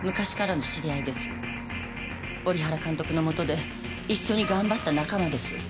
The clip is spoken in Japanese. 織原監督のもとで一緒に頑張った仲間です。